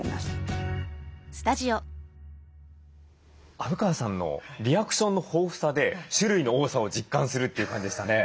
虻川さんのリアクションの豊富さで種類の多さを実感するという感じでしたね。